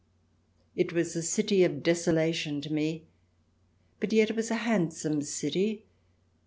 It was a city of desolation to me, but yet it was a handsome city.